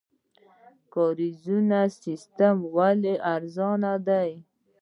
د کاریزونو سیستم ولې ارزانه دی؟